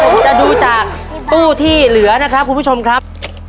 ผมจะดูจากตู้ที่เหลือนะครับคุณผู้ชมครับ